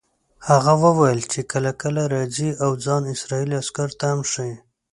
هغه وویل چې کله کله راځي او ځان اسرائیلي عسکرو ته ښیي.